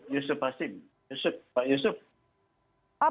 yusuf pak yusuf